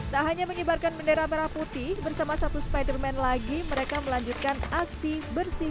tak hanya mengibarkan bendera merah putih bersama satu spiderman lagi mereka melanjutkan aksi bersih